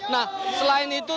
nah selain itu